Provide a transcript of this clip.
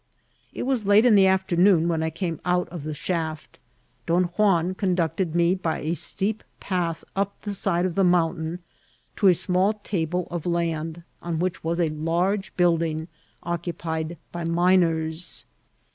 It was late in the afternoon when I came out of the shaft. Don Juan conducted me by a steep path up the side of the mountain, to a small table of land, on which was a large building occupied by miners.